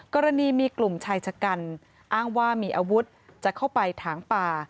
กรณีมีกลุ่มชายชะกันอ้างว่ามีอาวุธจะเข้าไปถางป่า